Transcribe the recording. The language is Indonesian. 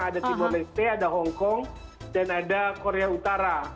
ada tim olespe ada hongkong dan ada korea utara